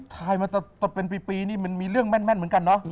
ถ่ายมาเป็นปีนี่มันมีเรื่องแม่นเหมือนกันเนอะ